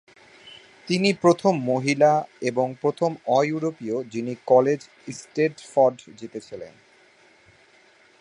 তিনি প্রথম মহিলা এবং প্রথম অ-ইউরোপীয় যিনি কলেজ ইস্টেডফড জিতেছিলেন।